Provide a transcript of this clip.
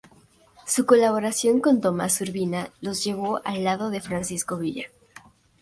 Su colaboración con Tomás Urbina los llevó al lado de Francisco Villa.